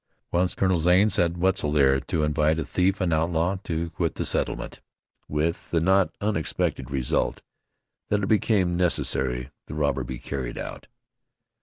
Once Colonel Zane sent Wetzel there to invite a thief and outlaw to quit the settlement, with the not unexpected result that it became necessary the robber be carried out.